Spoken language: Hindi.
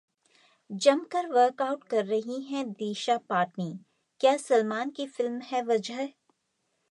जमकर वर्क आउट कर रही हैं दिशा पाटनी, क्या सलमान की फिल्म है वजह?